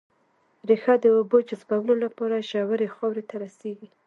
ريښه د اوبو جذبولو لپاره ژورې خاورې ته رسېږي